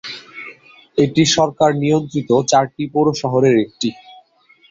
এটি সরকার নিয়ন্ত্রিত চারটি পৌর শহরের একটি।